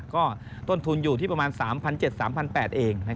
ก็ต้นทุนอยู่ที่ประมาณ๓๗๓๘๐๐เอง